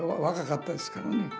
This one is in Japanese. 若かったですからね。